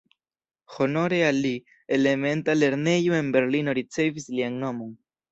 Honore al li, elementa lernejo en Berlino ricevis lian nomon.